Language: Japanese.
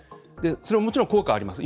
それは、もちろん効果があります。